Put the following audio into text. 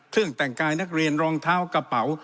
แต่งกายนักเรียนรองเท้ากระเป๋า